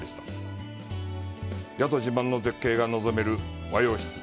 宿自慢の絶景が望める和洋室。